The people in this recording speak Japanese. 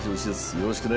よろしくね。